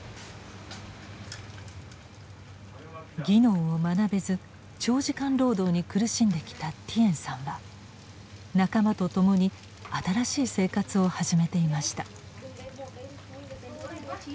技能を学べず長時間労働に苦しんできたティエンさんは仲間と共に新しい生活を始めていました。